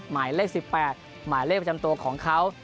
หมายเลข๑๘หมายเลขประจำตัวของเขา